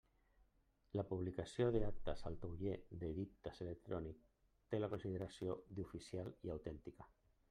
La publicació d'actes al Tauler d'edictes electrònic té la consideració d'oficial i autèntica.